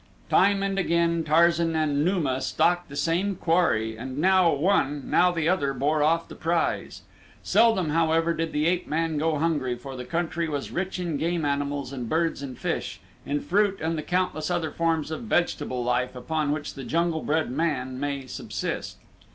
Time and again Tarzan and Numa stalked the same quarry and now one, now the other bore off the prize. Seldom however did the ape man go hungry for the country was rich in game animals and birds and fish, in fruit and the countless other forms of vegetable life upon which the jungle bred man may subsist.